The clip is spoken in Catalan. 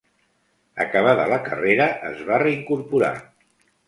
Acabada la carrera es va reincorporar.